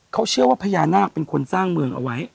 เขาเชื่อว่าพญานาคเป็นคนสร้างเมืองเอาไว้